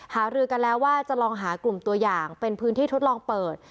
หารือกันแล้วว่าจะลองหากลุ่มตัวอย่างเป็นพื้นที่ทดลองเปิด